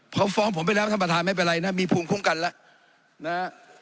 เขาฟ้องผมไปแล้วท่านประธานไม่เป็นไรนะมีภูมิคุ้มกันแล้วนะฮะ